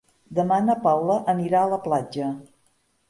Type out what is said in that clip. Demà na Paula anirà a la platja.